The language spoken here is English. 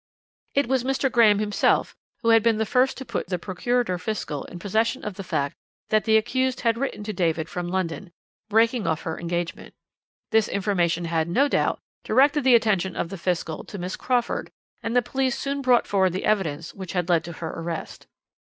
"It was Mr. Graham himself who had been the first to put the Procurator Fiscal in possession of the fact that the accused had written to David from London, breaking off her engagement. This information had, no doubt, directed the attention of the Fiscal to Miss Crawford, and the police soon brought forward the evidence which had led to her arrest.